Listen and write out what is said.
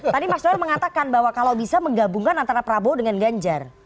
tadi mas noel mengatakan bahwa kalau bisa menggabungkan antara prabowo dengan ganjar